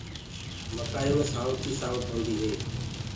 مڪآيو مي سآوڪ ئي هوندي هي